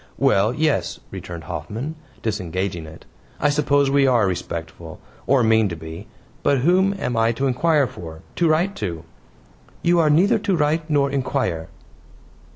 "Well, yes," returned Hoffman, disengaging it. "I suppose we are respectful, or mean to be. But whom am I to inquire for? To write to?" "You are neither to write nor inquire."